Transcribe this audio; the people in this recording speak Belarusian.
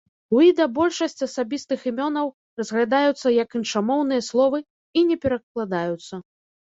У іда большасць асабістых імёнаў разглядаюцца як іншамоўныя словы іне перакладаюцца.